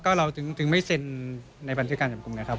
ก็เราถึงไม่เซ็นในบันทึกการจับกลุ่มนะครับ